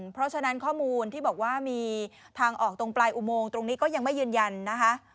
เพราะฉะนั้นข้อมูลที่บอกว่ามีทางออกตรงปลายอุโมงตรงนี้ก็ยังไม่ยืนยันนะคะ